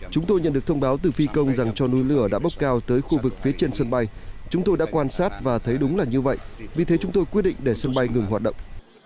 chúng tôi nhận được thông báo từ phi công rằng cho núi lửa đã bốc cao tới khu vực phía trên sân bay chúng tôi đã quan sát và thấy đúng là như vậy vì thế chúng tôi quyết định để sân bay ngừng hoạt động